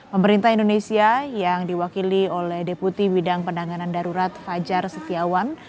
pemerintah indonesia yang diwakili oleh deputi bidang penanganan darurat fajar setiawan